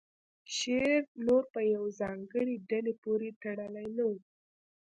شعر نور په یوې ځانګړې ډلې پورې تړلی نه و